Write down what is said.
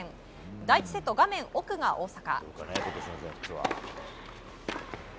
第１セット、画面奥が大坂。